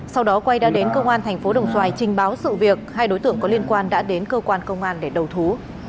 sau đó quay đã đến công an thành phố đồng xoài trình báo sự việc hai đối tượng có liên quan đã đến cơ quan công an để đầu thú